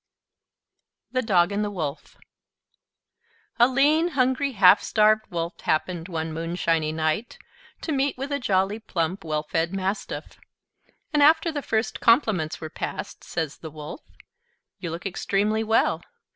THE DOG AND THE WOLF A lean, hungry, half starved Wolf happened, one moonshiny night, to meet with a jolly, plump, well fed Mastiff; and after the first compliments were passed, says the Wolf: "You look extremely well.